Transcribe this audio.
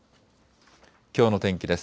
きょうの天気です。